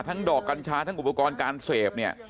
ทั้งดอกกัญชาทั้งอุปกรณ์การเสพ